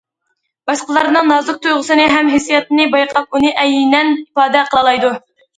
باشقىلارنىڭ نازۇك تۇيغۇسىنى ھەم ھېسسىياتىنى بايقاپ ئۇنى ئەينەن ئىپادە قىلالايدۇ.